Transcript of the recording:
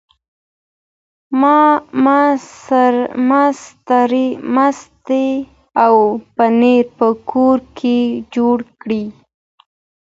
ماستې او پنیر په کور کې جوړ کړئ.